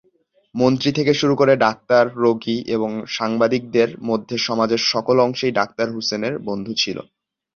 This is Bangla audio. মন্ত্রী থেকে শুরু করে ডাক্তার, রোগী এবং সাংবাদিকদের মধ্যে সমাজের সকল অংশেই ডাক্তার হুসেনের বন্ধু ছিল।